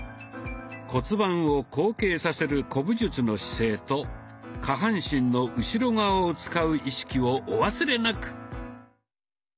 骨盤を後傾させる古武術の姿勢と下半身の後ろ側を使う意識をお忘れなく！